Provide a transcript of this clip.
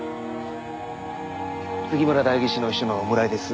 杉村代議士の秘書の村井です。